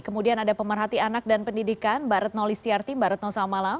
kemudian ada pemerhati anak dan pendidikan baratno listiarti baratno selamat malam